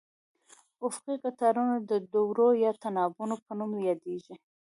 افقي قطارونه د دورو یا تناوبونو په نوم یادیږي.